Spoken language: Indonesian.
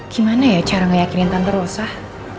gimana ya cara ngeyakinin tante rosah